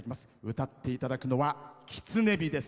歌っていただくのは「狐火」です。